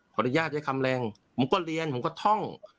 อนุญาตใช้คำแรงผมก็เรียนผมก็ท่อง